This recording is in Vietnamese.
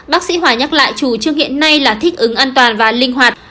bác sĩ hòa nhắc lại chủ trương hiện nay là thích ứng an toàn và linh hoạt